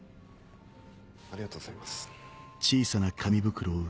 ありがとうございます。